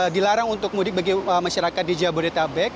dilarang untuk mudik bagi masyarakat di jabodetabek